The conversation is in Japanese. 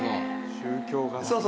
宗教画だ。